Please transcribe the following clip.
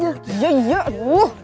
jangan mikir aneh aneh dulu